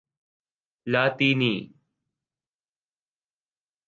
لاطینی